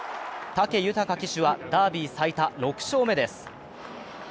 武豊騎手はダービー最多６勝目です。